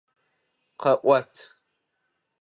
Къэӏуат!